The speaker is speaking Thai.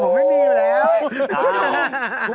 ไม่มีแล้ว